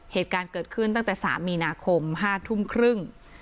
เหตุการณ์เกิดขึ้นตั้งแต่๓มีนาคม๕ทุ่มครึ่ง